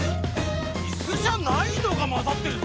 イスじゃないのがまざってるぞ！